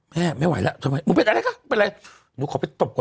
แม่ไม่ไหวแล้วทำไมหนูเป็นอะไรก็เป็นไรหนูขอไปตบก่อน